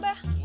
sama pak haji